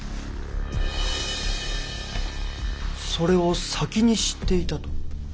それを先に知っていたと？